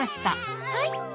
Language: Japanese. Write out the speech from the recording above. はい。